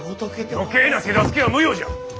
余計な手助けは無用じゃ！